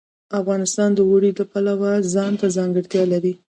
افغانستان د اوړي د پلوه ځانته ځانګړتیا لري.